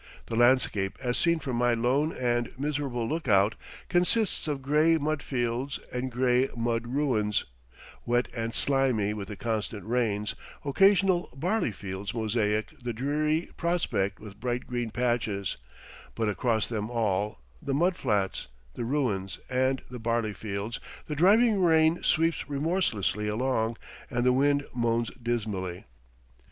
The landscape as seen from my lone and miserable lookout, consists of gray mud fields and gray mud ruins, wet and slimy with the constant rains; occasional barley fields mosaic the dreary prospect with bright green patches, but across them all the mud flats, the ruins, and the barley fields the driving rain sweeps remorselessly along, and the wind moans dismally.